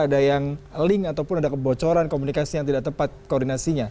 ada yang link ataupun ada kebocoran komunikasi yang tidak tepat koordinasinya